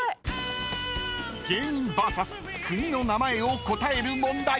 ［芸人ＶＳ国の名前を答える問題］